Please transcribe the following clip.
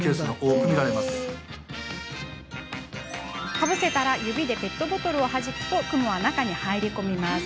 かぶせたら指でペットボトルをはじくとクモは中へ入り込みます。